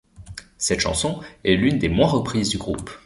Cette chanson est l'une des moins reprises du groupe.